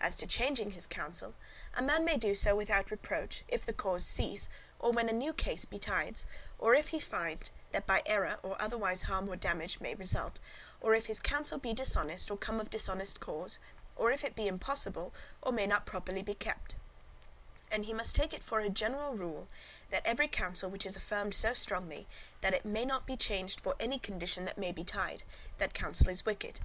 As to changing his counsel, a man may do so without reproach, if the cause cease, or when a new case betides, or if he find that by error or otherwise harm or damage may result, or if his counsel be dishonest or come of dishonest cause, or if it be impossible or may not properly be kept; and he must take it for a general rule, that every counsel which is affirmed so strongly, that it may not be changed for any condition that may betide, that counsel is wicked.